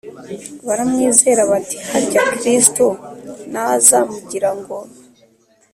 baramwizera bati Harya Kristo naza mugira ngo